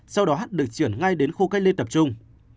sau đó được chuyển ngay đến khu cách ly tập trung